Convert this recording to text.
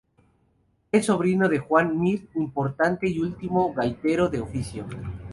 Es sobrino de Juan Mir, importante y último gaitero de oficio.